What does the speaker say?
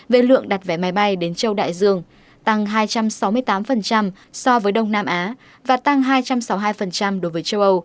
về lượng đặt vé máy bay đến châu đại dương tăng hai trăm sáu mươi tám so với đông nam á và tăng hai trăm sáu mươi hai đối với châu âu